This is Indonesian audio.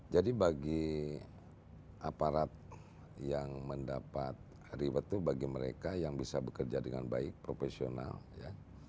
jadi bagi aparat yang mendapat riwet itu bagi mereka yang bisa bekerja dengan baik profesional ya